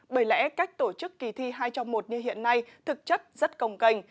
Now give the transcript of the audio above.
bởi lẽ cách tổ chức kỳ thi hai trong một như hiện nay thực chất rất cồng cành